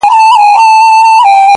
څوک وتله څوک په غار ننوتله,